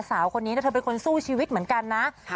สาวคนนี้เธอเป็นคนสู้ชีวิตเหมือนกันนะ